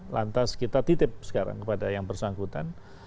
lantas kita titip sekarang kepada yang bersangkutan